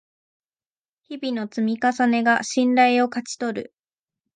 日々の積み重ねが信頼を勝ち取る